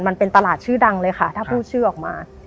มันเป็นตลาดชื่อดังเลยค่ะถ้าพูดชื่อออกมา